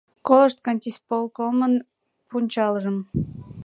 — Колышт кантисполкомын пунчалжым!